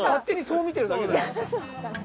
手にそう見てるだけ。